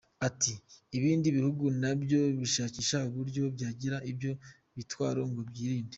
Ati “ibindi biguhu nabyo bishakisha uburyo byagira ibyo bitwaro ngo byirinde”.